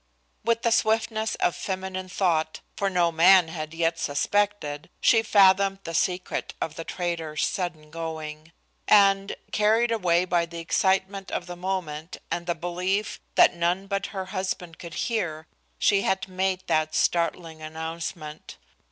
With the swiftness of feminine thought, for no man had yet suspected, she fathomed the secret of the trader's sudden going; and, carried away by the excitement of the moment and the belief that none but her husband could hear, she had made that startling announcement.